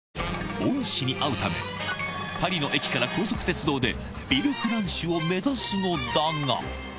恩師に会うため、パリの駅から高速鉄道でヴィルフランシュを目指すのだが。